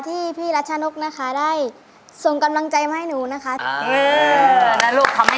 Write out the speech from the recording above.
ที่พี่รัชนกนะคะได้ส่งกำลังใจมาให้หนูนะคะ